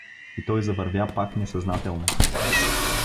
И той завървя пак несъзнателно.